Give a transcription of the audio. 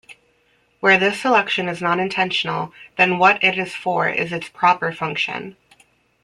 Where this selection is non-intentional, then what it is for is its 'proper function'.